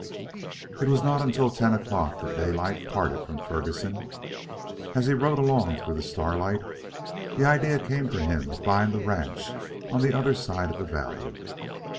It was not until ten o'clock that Daylight parted from Ferguson. As he rode along through the starlight, the idea came to him of buying the ranch on the other side of the valley.